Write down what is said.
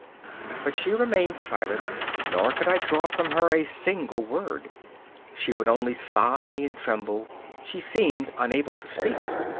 But she remained silent, nor could I draw from her a single word. She would only sigh and tremble; she seemed unable to speak.